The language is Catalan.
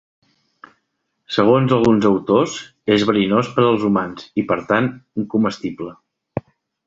Segons alguns autors, és verinós per als humans i, per tant, incomestible.